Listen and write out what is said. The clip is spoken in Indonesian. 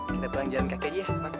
kita turang jalan kakek dia ya